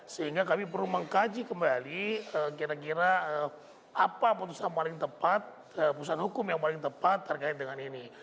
sehingga kami perlu mengkaji kembali kira kira apa putusan paling tepat putusan hukum yang paling tepat terkait dengan ini